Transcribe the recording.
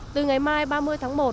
từ ngày mai ba mươi tháng một